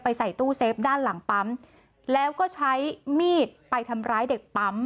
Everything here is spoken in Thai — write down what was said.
ใส่ตู้เซฟด้านหลังปั๊มแล้วก็ใช้มีดไปทำร้ายเด็กปั๊ม